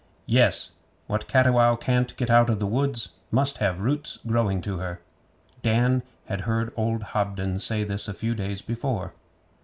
'Yes. "What Cattiwow can't get out of the woods must have roots growing to her."' Dan had heard old Hobden say this a few days before.